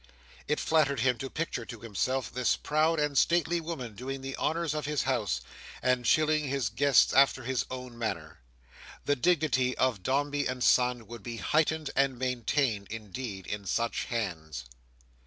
It flattered him to picture to himself, this proud and stately woman doing the honours of his house, and chilling his guests after his own manner. The dignity of Dombey and Son would be heightened and maintained, indeed, in such hands.